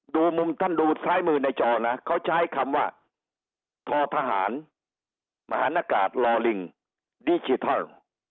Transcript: มุมท่านดูซ้ายมือในจอนะเขาใช้คำว่าทอทหารมหานกาศลอลิงดิจิทัล